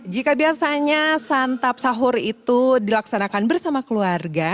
jika biasanya santap sahur itu dilaksanakan bersama keluarga